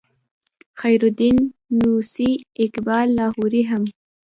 خیرالدین تونسي اقبال لاهوري هم